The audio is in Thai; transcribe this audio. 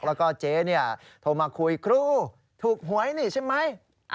แล้วก็เจ๊เนี่ยโทรมาคุยครูถูกหวยนี่ใช่ไหม